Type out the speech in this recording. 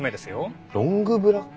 ロングブラック？